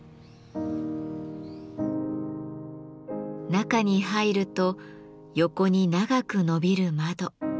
中に入ると横に長くのびる窓。